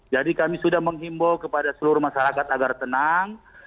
jadi kami sudah menghimbau kepada seluruh masyarakat agar tenang